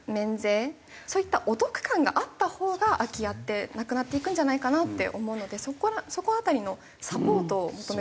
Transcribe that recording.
そういったお得感があったほうが空き家ってなくなっていくんじゃないかなって思うのでそこの辺りのサポートを求めたいです。